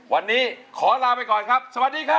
วันนี้ขอลาไปก่อนครับสวัสดีครับ